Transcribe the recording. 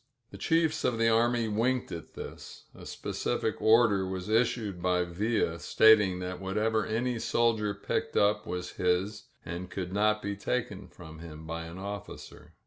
The chiefs of the army winked at this. A specific order was issued by Villa stating that whatever any soldier picked up was his and could not be taken from him by an officer.